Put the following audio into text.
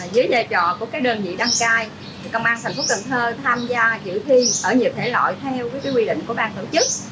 dưới lựa chọn của đơn vị đăng cai công an thành phố cần thơ tham gia dự thi ở nhiều thể loại theo quy định của ban tổ chức